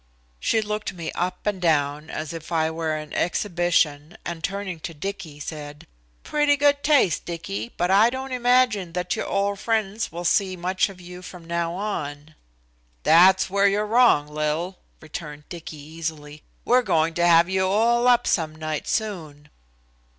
She looked me up and down as if I were on exhibition and turning to Dicky said. "Pretty good taste, Dicky, but I don't imagine that your old friends will see much of you from now on." "That's where you're wrong, Lil," returned Dicky easily. "We're going to have you all up some night soon."